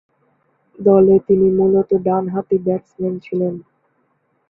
দলে তিনি মূলতঃ ডানহাতি ব্যাটসম্যান ছিলেন।